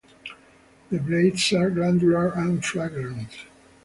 The blades are glandular and fragrant.